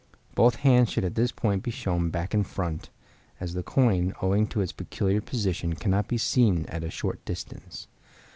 Both hands should at this point be shown back and front, as the coin, owing to its peculiar position, cannot be seen at a short distance.